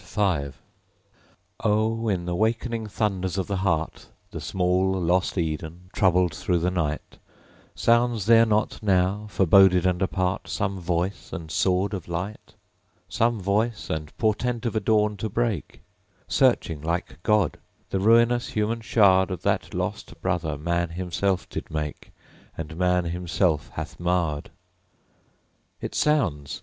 V Oh, in the wakening thunders of the heart, The small lost Eden, troubled through the night, Sounds there not now, forboded and apart, Some voice and sword of light? Some voice and portent of a dawn to break? Searching like God, the ruinous human shard Of that lost Brother man Himself did make, And Man himself hath marred? It sounds!